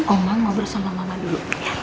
oh mama mau berusaha sama mama dulu